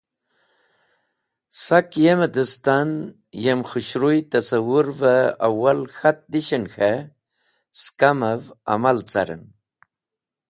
Sak yem dẽstan yem khũshruy tasawũr’v e awal k̃hat dishen k̃he skamev ama caren.